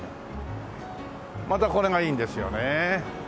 またこれがいいんですよね。